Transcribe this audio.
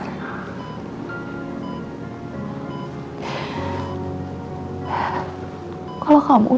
kita jalan jalan lagi ya